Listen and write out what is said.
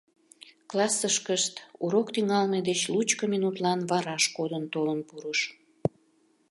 Классышкышт урок тӱҥалме деч лучко минутлан вараш кодын толын пурыш.